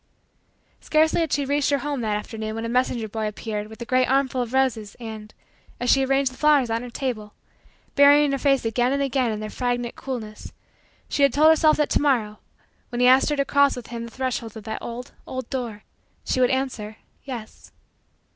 Scarcely had she reached her home that afternoon when a messenger boy appeared with a great armful of roses and, as she arranged the flowers on her table, burying her flushed face again and again in their fragrant coolness, she had told herself that to morrow, when he asked her to cross with him the threshold of that old, old door, she would answer: yes.